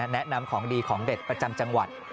แนะนำของดีของเด็ดประจำจังหวัด